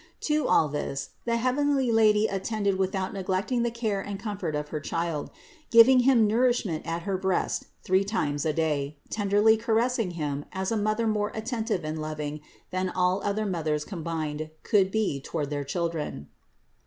To all this the heavenly Lady attended without neglect ing the care and comfort of her Child, giving Him nour ishment at her breast three times a day, tenderly caressing Him as a Mother more attentive and loving than all other Mothers combined could be toward their children.